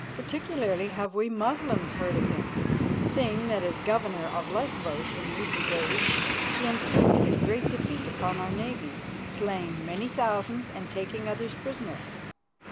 Particularly have we Moslems heard of him, seeing that as governor of Lesbos in recent days he inflicted a great defeat upon our navy, slaying many thousands and taking others prisoner.